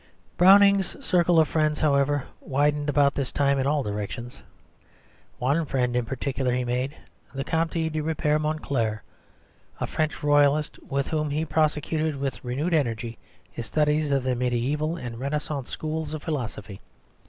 Browning's circle of friends, however, widened about this time in all directions. One friend in particular he made, the Comte de Ripert Monclar, a French Royalist with whom he prosecuted with renewed energy his studies in the mediæval and Renaissance schools of philosophy.